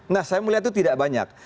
nah saya melihat itu tidak banyak